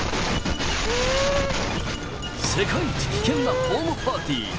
世界一危険なホームパーティー。